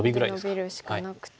ノビるしかなくて。